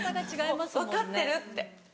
「分かってる」って。